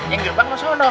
yang gerbang ke sana